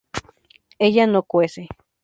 ella no cuece